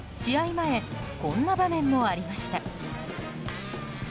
前こんな場面もありました。